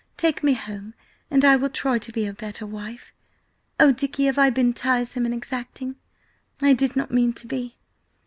Take me home and I will try to be a better wife! Oh, Dicky, have I been tiresome and exacting? I did not mean to be!